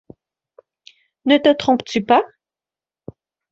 Ne te trompes-tu pas ?